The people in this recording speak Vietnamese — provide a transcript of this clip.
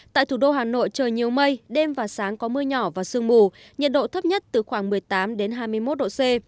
tại thủ đô hà nội trời nhiều mây đêm và sáng có mưa nhỏ và sương mù nhiệt độ thấp nhất từ khoảng một mươi tám hai mươi một độ c